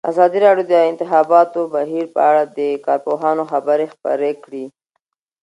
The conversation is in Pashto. ازادي راډیو د د انتخاباتو بهیر په اړه د کارپوهانو خبرې خپرې کړي.